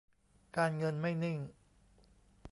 การเงินไม่นิ่ง